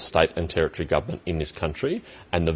setiap pemerintah negara dan negara di negara ini